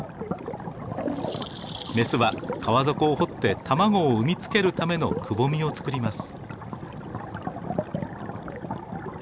メスは川底を掘って卵を産み付けるためのくぼみを作ります。